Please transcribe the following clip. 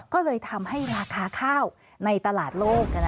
ก็เลยทำให้ราคาข้าวในตลาดโลก